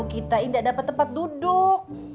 kita tidak dapat tempat duduk